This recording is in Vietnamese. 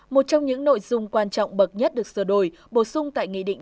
một trong những nội dung quan trọng bậc nhất được sửa đổi bổ sung tại nghị định